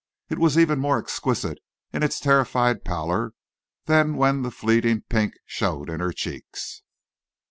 It was even more exquisite in its terrified pallor than when the fleeting pink showed in her cheeks.